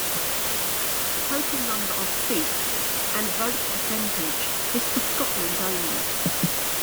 Total number of seats, and vote percentage, is for Scotland only.